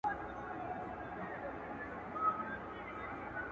دوهمه ناسته وسوه